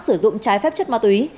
sử dụng trái phép chất ma túy